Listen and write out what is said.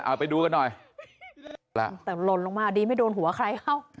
เอาไปดูกันหน่อย